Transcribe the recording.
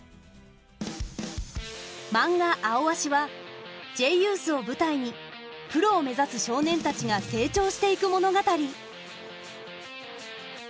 マンガ「アオアシ」はＪユースを舞台にプロを目指す少年たちが成長していく物語。